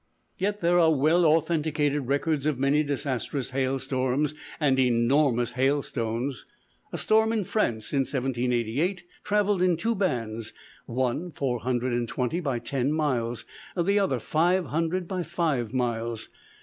Yet, there are well authenticated records of many disastrous hail storms and enormous hailstones. A storm in France, in 1788, traveled in two bands: one, four hundred and twenty by ten miles; the other, five hundred by five miles.